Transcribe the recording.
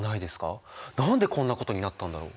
何でこんなことになったんだろう？